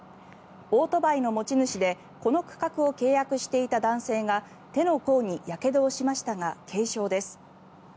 オートバイの持ち主でこの区画を契約していた男性が手の甲にやけどをしましたが軽傷です。